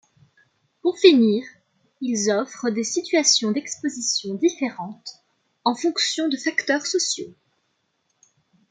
Pour finir, ils offrent des situations d'expositions différentes en fonction de facteurs sociaux.